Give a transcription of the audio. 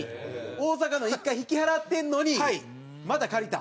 大阪の１回引き払ってんのにまた借りた？